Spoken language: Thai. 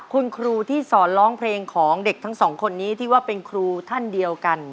คุณครูที่สอนร้องเพลงของเด็กทั้งสองคนนี้ที่ว่าเป็นครูท่านเดียวกัน